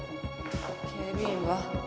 警備員は？